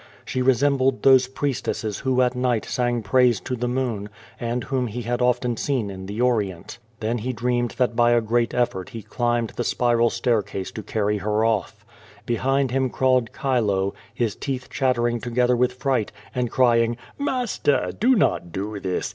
She resembled those priestesses who at night sang praise to the moon, and whom he had often seen in the Orient. Then he dreamed that by a great cfTort he climbed the spiral stair case to carry her off. Behind him crawled Chilo, his teeth chattering together with fright, and crying, "Master, do not do this.